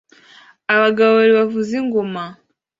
Abagabo babiri bavuza ingoma